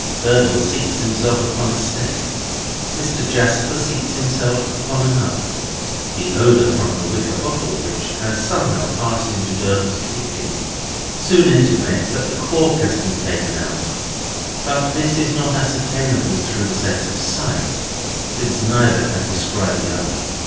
Durdles seats himself upon a step. Mr. Jasper seats himself upon another. The odour from the wicker bottle (which has somehow passed into Durdles's keeping) soon intimates that the cork has been taken out; but this is not ascertainable through the sense of sight, since neither can descry the other.